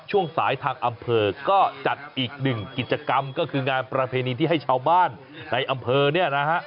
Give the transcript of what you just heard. ช่วงสายทางอำเภอก็จัดอีกหนึ่งกิจกรรมก็คืองานประเพณีที่ให้ชาวบ้านในอำเภอเนี่ยนะฮะ